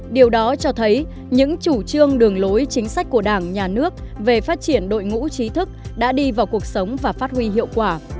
điều đó cho thấy những chủ trương đường lối chính sách của đảng nhà nước về phát triển đội ngũ trí thức đã đi vào cuộc sống và phát huy hiệu quả